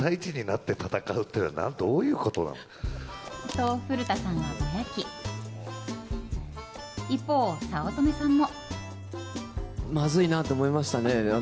と、古田さんはぼやき一方、早乙女さんも。